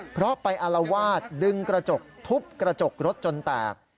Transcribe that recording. เพราะไปอารวาสดึงกระจกทุบกระจกรถจนแตก